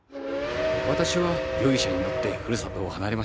私は夜汽車に乗ってふるさとを離れました。